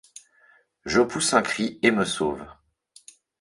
Je pousse un cri et me sauve.